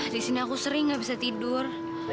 disini aku sering gak bisa tidur